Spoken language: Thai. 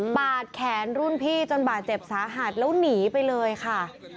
แขนรุ่นพี่จนบาดเจ็บสาหัสแล้วหนีไปเลยค่ะ